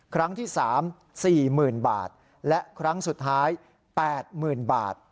ครั้งที่๓สี่หมื่นบาทและครั้งสุดท้าย๘หมื่นบาท